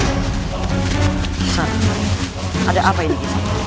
kisah ada apa ini kisah